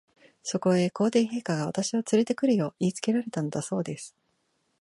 そこへ、皇帝陛下が、私をつれて来るよう言いつけられたのだそうです。